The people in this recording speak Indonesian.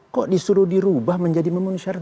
kok disuruh dirubah menjadi memenuhi syarat